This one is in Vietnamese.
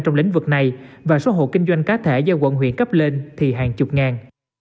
trong lĩnh vực này và số hộ kinh doanh cá thể do quận huyện cấp lên thì hàng chục ngàn